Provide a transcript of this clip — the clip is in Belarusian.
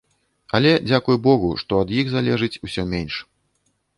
Але, дзякуй богу, што ад іх залежыць усё менш.